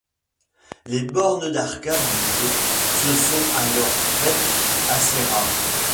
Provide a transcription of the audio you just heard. Les bornes d'arcade du jeu se sont alors faites assez rares.